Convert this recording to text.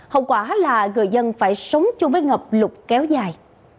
hậu quả là người dân phải sống chung với ngập lụt kéo dài